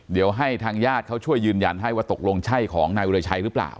เดี๋ยวให้ทางญาติเขาช่วยยืนยันให้ว่าตกลงใช่ของนายวิรชัยหรือเปล่า